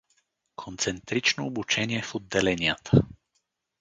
— Концентрично обучение в отделенията.